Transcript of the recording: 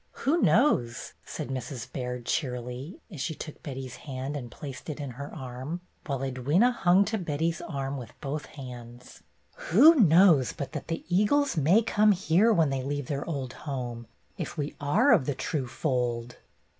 "Who knows," said Mrs. Baird, cheerily, as she took Betty's hand and placed it in her arm, while Edwyna hung to Betty's arm with both hands, "who knows but that the eagles may come here when they leave their old home, if we are of the true fold